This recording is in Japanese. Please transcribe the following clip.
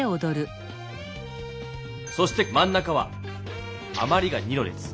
そしてまん中はあまりが２の列。